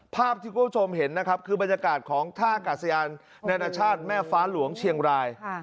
ภาพที่คุณผู้ชมเห็นนะครับคือบรรยากาศของท่ากาศยานนานาชาติแม่ฟ้าหลวงเชียงราย